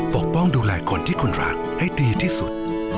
ปกป้องดูแลคนที่คุณรักให้ดีที่สุด